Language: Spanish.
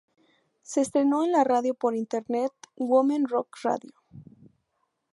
Se estrenó en la radio por internet Women Rock Radio.